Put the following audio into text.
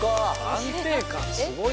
安定感すごい。